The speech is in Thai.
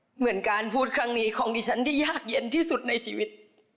เหมือนการพูดครั้งนี้ของดิฉันที่ยากเย็นที่สุดในชีวิต